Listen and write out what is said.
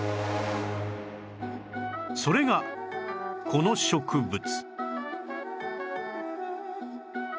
それがこの植物